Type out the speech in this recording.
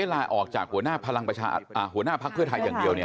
ลาออกจากหัวหน้าพลังประชาหัวหน้าพรรคเพื่อไทยอย่างเดียวเนี่ย